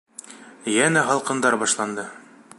Йәнә һалҡындар башланды.